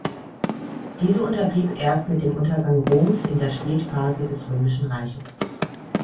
Diese unterblieb erst mit dem Untergang Roms in der Spätphase des römischen Reiches.